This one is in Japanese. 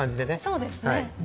そうですね。